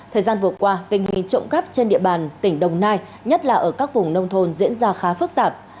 thời gian vừa qua tình hình trộm cắp trên địa bàn tỉnh đồng nai nhất là ở các vùng nông thôn diễn ra khá phức tạp